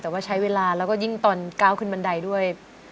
แต่ว่าใช้เวลาแล้วก็ยิ่งตอนก้าวขึ้นบันไดด้วย